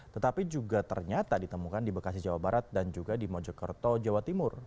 tetapi juga ternyata ditemukan di bekasi jawa barat dan juga di mojokerto jawa timur